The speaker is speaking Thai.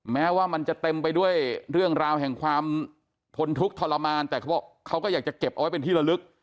แม้ว่ามันจะเต็มไปด้วยเรื่องราวแห่งความทนทุกข์ทรมานแต่เขาบอกเขาก็อยากจะเก็บเอาไว้เป็นที่ละลึก